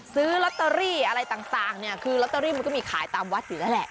ซื้อลอตเตอรี่อะไรต่างเนี่ยคือลอตเตอรี่มันก็มีขายตามวัดอยู่แล้วแหละ